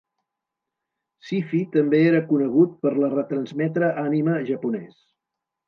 Syfy també era conegut per la retransmetre anime japonès.